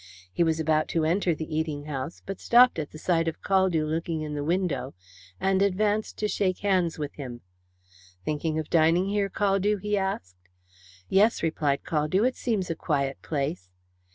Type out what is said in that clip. He was about to enter the eating house, but stopped at the sight of Caldew looking in the window, and advanced to shake hands with him. "Thinking of dining here, Caldew?" he asked. "Yes," replied Caldew. "It seems a quiet place."